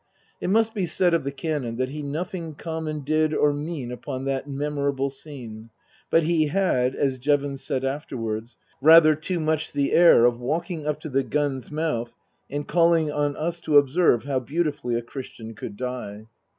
It must be said of the Canon that he nothing common did or mean upon that memorable scene ; but he had as Jevons said afterwards rather too much the air of walking up to the gun's mouth and calling on us to observe how beautifully a Christian could die.